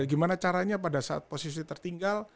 gimana caranya pada saat posisi tertinggal